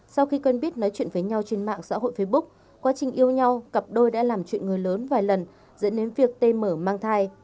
sau khi quen biết nói chuyện với nhau trên mạng xã hội facebook quá trình yêu nhau cặp đôi đã làm chuyện người lớn vài lần dẫn đến việc tm mở mang thai